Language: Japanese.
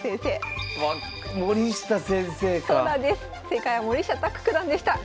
正解は森下卓九段でした。